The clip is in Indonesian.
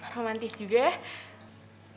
romantis juga ya